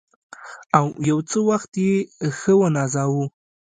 او یو څه وخت یې ښه ونازاوه.